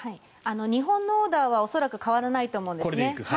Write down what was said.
日本のオーダーは恐らく変わらないと思うんですね。